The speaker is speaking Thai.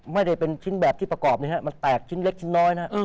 ไม่ได้เป็นชิ้นแบบที่ประกอบนะครับมันแตกชิ้นเล็กชิ้นน้อยนะฮะ